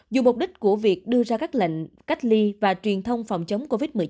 dù mục đích của việc đưa ra các lệnh cách ly và truyền thông phòng chống covid một mươi chín